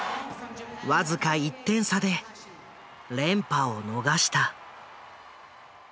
僅か１点差で連覇を逃した。